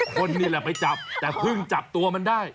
คนนี่แหละไปจับแต่เพิ่งจับตัวมันได้